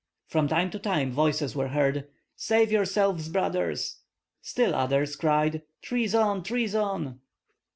From time to time voices were heard: "Save yourselves, brothers!" Still others cried: "Treason! treason!"